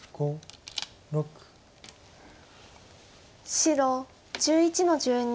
白１１の十二。